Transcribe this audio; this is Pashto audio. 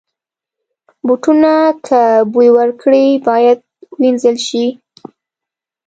بوټونه که بوی وکړي، باید وینځل شي.